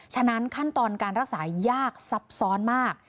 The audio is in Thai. ฉะนั้นขั้นตอนการรักษายากซับซ้อนมาก